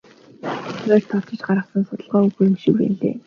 Хувиар тооцож гаргасан судалгаа үгүй юм шиг байна лээ.